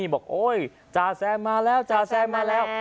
บอกจาแซมมาแล้วจาแซมมาแล้ว